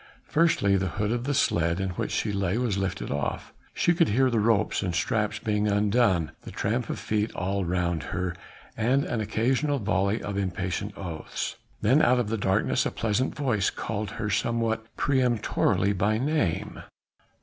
Firstly the hood of the sledge in which she lay was lifted off: she could hear the ropes and straps being undone, the tramp of feet all round her and an occasional volley of impatient oaths. Then out of the darkness a pleasant voice called her somewhat peremptorily by name.